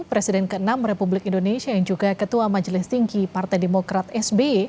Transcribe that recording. presiden ke enam republik indonesia yang juga ketua majelis tinggi partai demokrat sby